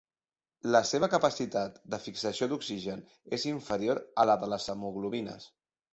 La seva capacitat de fixació d'oxigen és inferior a la de les hemoglobines.